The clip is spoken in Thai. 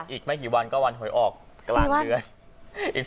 อีกไม่กี่วันก็วันหวยออกกลางเดือน